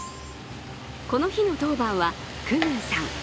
この日の当番は、久々宇さん。